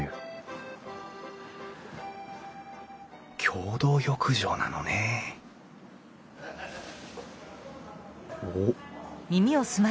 共同浴場なのね・おっ。